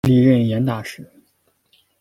历任盐大使。